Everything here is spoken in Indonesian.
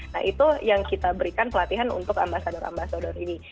nah itu yang kita berikan pelatihan untuk ambasador ambasador ini